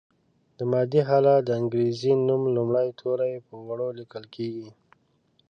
د مادې حالت د انګریزي نوم لومړي توري په وړو لیکل کیږي.